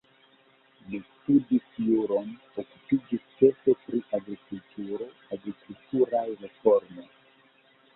Li studis juron, okupiĝis ĉefe pri agrikulturo, agrikulturaj reformoj.